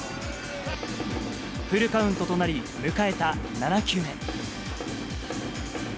フルカウントとなり、迎えた７球目。